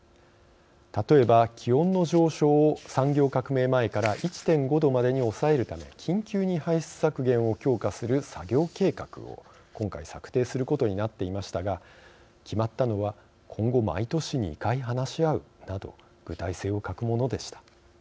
例えば、気温の上昇を産業革命前から１．５℃までに抑えるため緊急に排出削減を強化する作業計画を今回策定することになっていましたが決まったのは今後、毎年２回、話し合うなど具体性を欠くものでした。